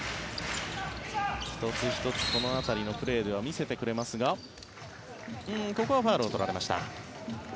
１つ１つこの辺りのプレーでは見せてくれますがここはファウルを取られました。